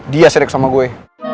dia serik sama gue